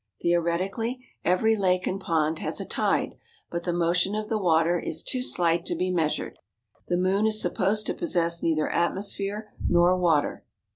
Theoretically, every lake and pond has a tide, but the motion of the water is too slight to be measured. The moon is supposed to possess neither atmosphere nor water.